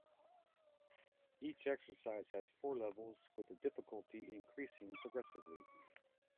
Each exercise has four levels, with the difficulty increasing progressively.